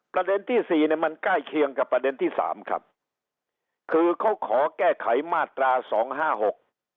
ประเด็นที่สี่เนี้ยมันใกล้เคียงกับประเด็นที่สามครับคือเขาขอแก้ไขมาตราสองห้าหก